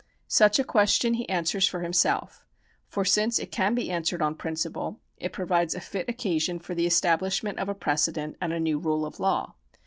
Such a question he answers for himself ; for since it can be answered on principle, it pro vides a fit occasion for the establishment of a precedent and a new rule of law.